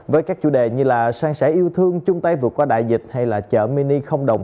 với các chủ đề như là sang sẻ yêu thương chung tay vượt qua đại dịch hay là chợ mini không đồng